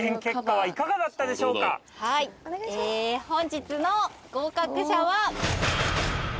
本日の合格者は。